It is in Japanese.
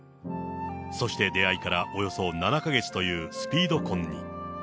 そして出会いからおよそ７か月というスピード婚に。